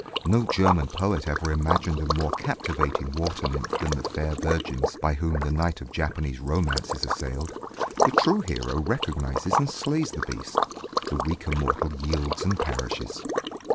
No German poet ever imagined a more captivating water nymph than the fair virgins by whom the knight of Japanese romance is assailed: the true hero recognizes and slays the beast; the weaker mortal yields and perishes.